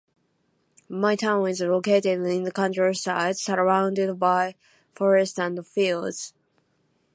My town is located in the countryside, surrounded by forests and fields.